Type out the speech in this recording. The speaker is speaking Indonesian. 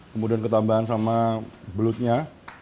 kemudian ketambahan sama belutnya